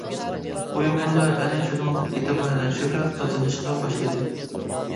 ئۇيغۇرلار ئەنە شۇنىڭدىن ئېتىبارەن شۆھرەت قازىنىشقا باشلىدى.